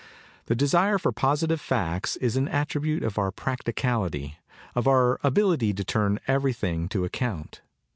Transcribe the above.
The desire for positive facts is an attribute of our practicality, of our ability to turn everything to account.